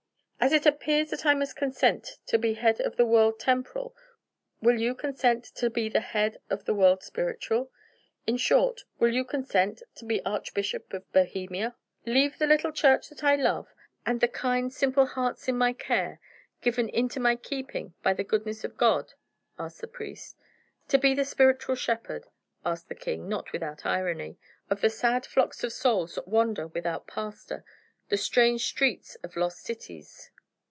as it appears that I must consent to be Head of the World Temporal will you consent to be the Head of the World Spiritual? In short, will you consent to be Archbishop of Bohemia?" "Leave the little church that I love, and the kind, simple hearts in my care, given into my keeping by the goodness of God...." asked the priest. "To be the spiritual shepherd," answered the king, not without irony, "of the sad flocks of souls that wander, without pastor, the strange streets of lost cities...."